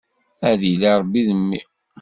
Ad yili Ṛebbi d mmi.